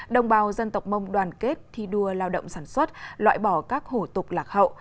đồng bào dân tộc mông đoàn kết thi đua lao động sản xuất loại bỏ các hổ tục lạc hậu